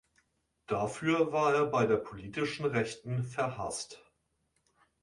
Dafür war er bei der politischen Rechten verhasst.